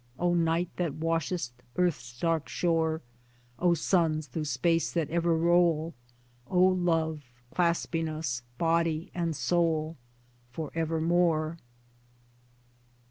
O night that washest Earth's dark shore, O suns, through space that ever roll, O Love, clasping us body and soul For evermore